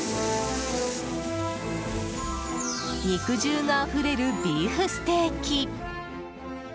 肉汁があふれるビーフステーキ。